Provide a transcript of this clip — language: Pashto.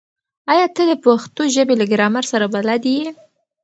ایا ته د پښتو ژبې له ګرامر سره بلد یې؟